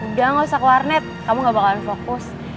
udah gak usah ke warnet kamu gak bakalan fokus